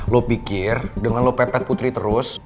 lo pikir dengan lo pepet putri terus